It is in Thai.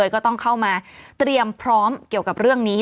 ก็ต้องเข้ามาเตรียมพร้อมเกี่ยวกับเรื่องนี้